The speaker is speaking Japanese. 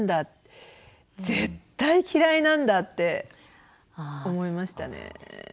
絶対嫌いなんだって思いましたね。